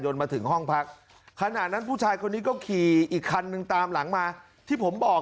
มาถึงห้องพักขณะนั้นผู้ชายคนนี้ก็ขี่อีกคันนึงตามหลังมาที่ผมบอก